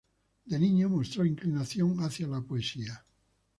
De niño mostró inclinación hacia la poesía.